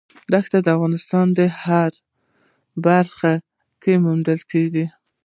دښتې د افغانستان په هره برخه کې موندل کېږي.